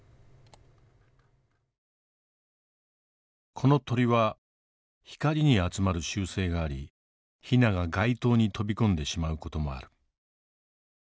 この鳥は光に集まる習性がありひなが外灯に飛び込んでしまう事もある。